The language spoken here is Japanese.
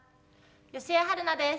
吉江晴菜です。